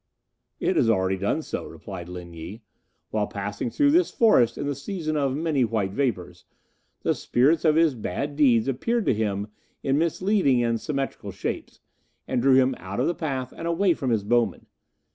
"It has already done so," replied Lin Yi. "While passing through this forest in the season of Many White Vapours, the spirits of his bad deeds appeared to him in misleading and symmetrical shapes, and drew him out of the path and away from his bowmen.